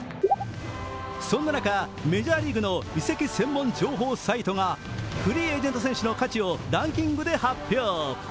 そんな中、メジャーリーグの移籍専門情報サイトがフリーエージェント選手の価値をランキングで発表。